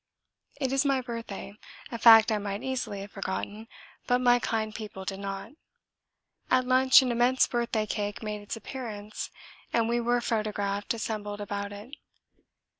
It is my birthday, a fact I might easily have forgotten, but my kind people did not. At lunch an immense birthday cake made its appearance and we were photographed assembled about it.